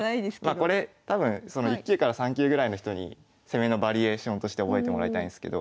まあこれ多分１級から３級ぐらいの人に攻めのバリエーションとして覚えてもらいたいんですけど。